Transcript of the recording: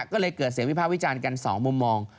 ก็เลยเกิดเสียงวิภาควิจารณ์กัน๒มุมมอง